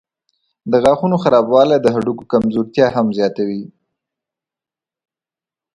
د غاښونو خرابوالی د هډوکو کمزورتیا هم زیاتوي.